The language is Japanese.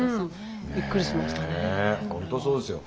びっくりしましたね。